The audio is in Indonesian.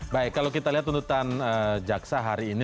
baik kalau kita lihat tuntutan jaksa hari ini